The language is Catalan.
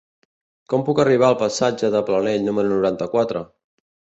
Com puc arribar al passatge de Planell número noranta-quatre?